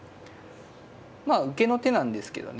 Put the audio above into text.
まあ受けの手なんですけどね